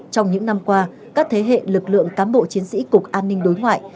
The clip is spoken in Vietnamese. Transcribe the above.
trong những năm qua các thế hệ lực lượng cám bộ chiến sĩ cục an ninh đối ngoại